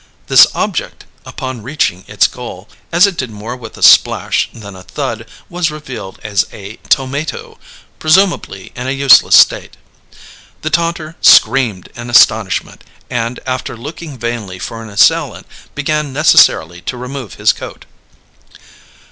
This object, upon reaching its goal, as it did more with a splash than a thud, was revealed as a tomato, presumably in a useless state. The taunter screamed in astonishment, and after looking vainly for an assailant, began necessarily to remove his coat.